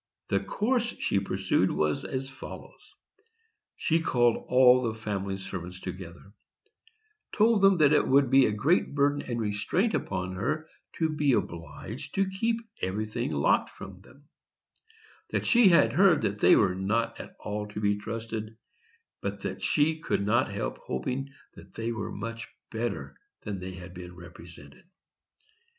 The course she pursued was as follows: She called all the family servants together; told them that it would be a great burden and restraint upon her to be obliged to keep everything locked from them; that she had heard that they were not at all to be trusted, but that she could not help hoping that they were much better than they had been represented.